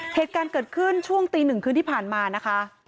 เหตุการณ์เกิดขึ้นช่วงตีหนึ่งคืนที่ผ่านมานะคะ